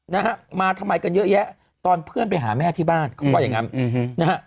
นะฮะมาทำไมกันเยอะแยะตอนเพื่อนไปหาแม่ที่บ้านเขาว่าอย่างงั้นอืมนะฮะ